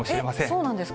そうなんですか。